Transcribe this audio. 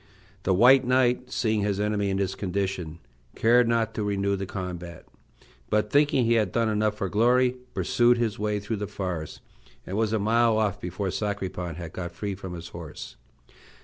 The white knight, seeing his enemy in this condition, cared not to renew the combat, but, thinking he had done enough for glory, pursued his way through the forest, and was a mile off before Sacripant had got free from his horse.